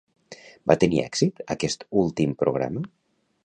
Va tenir èxit aquest últim programa?